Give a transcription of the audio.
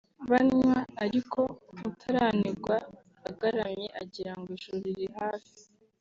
banywa ariko utaranigwa agaramye agira ngo ijuru riri hafi